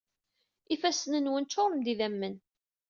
Ifassen-nwen ččuṛen d idammen.